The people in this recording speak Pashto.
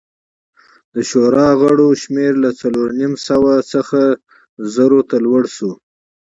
د شورا غړو شمېر له څلور نیم سوه څخه زرو ته لوړ شو